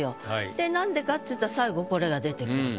でなんでかっていったら最後これが出てくると。